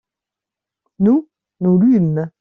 nous, nous lûmes.